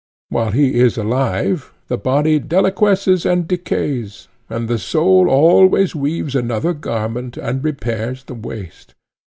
While he is alive the body deliquesces and decays, and the soul always weaves another garment and repairs the waste.